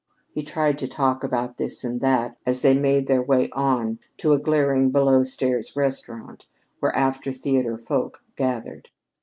He tried to talk about this and that as they made their way on to a glaring below stairs restaurant, where after theater folk gathered.